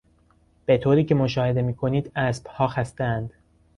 به طوریکه مشاهده میکنید اسبها خستهاند.